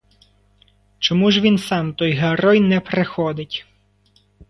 Чому ж він сам, той герой, не приходить.